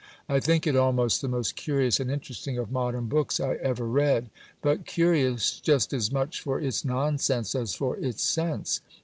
I think it almost the most curious and interesting of modern books I ever read; but curious just as much for its nonsense as for its sense.